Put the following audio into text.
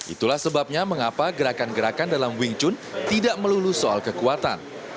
itulah sebabnya mengapa gerakan gerakan dalam wing chun tidak melulu soal kekuatan